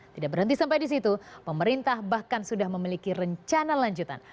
tidak berhenti sampai di situ pemerintah bahkan sudah memiliki rencana lanjutan